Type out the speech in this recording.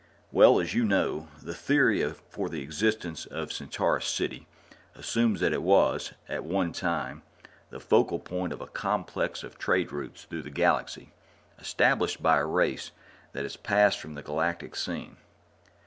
Well, as you know, the theory for the existence of Centaurus City assumes that it was, at one time, the focal point of a complex of trade routes through the galaxy, established by a race that has passed from the galactic scene."